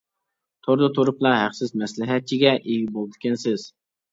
توردا تۇرۇپلا ھەقسىز مەسلىھەتچىگە ئىگە بولىدىكەنسىز.